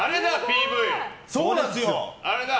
あれだ！